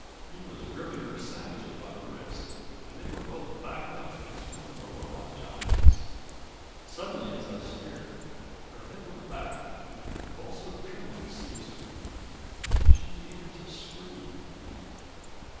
He was gripping her savagely by the wrist and they were both backed up against one of the robot giants. Suddenly as I stared her head went back and a convulsive trembling seized her. She began to scream.